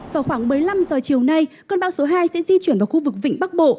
vào khoảng một mươi năm giờ chiều nay cơn bão số hai sẽ di chuyển vào khu vực vịnh bắc bộ